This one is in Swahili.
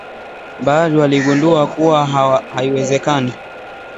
baadhi waligundua kuwa haiwezekani